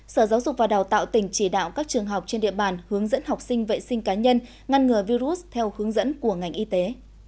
sở giáo dục và đào tạo tỉnh chỉ đạo các trường học trên địa bàn hướng dẫn học sinh vệ sinh cá nhân ngăn ngừa virus theo hướng dẫn của ngành y tế